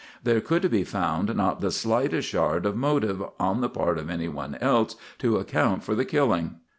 There could be found not the slightest sherd of motive on the part of anyone else to account for the killing.